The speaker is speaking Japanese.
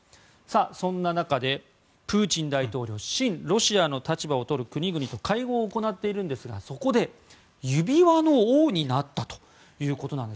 そんな中で、プーチン大統領親ロシアの立場を取る国々と会合を行っているんですがそこで指輪の王になったということなんです。